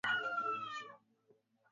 Ushirikiano dhidi ya waasi